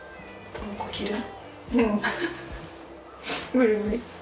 無理無理。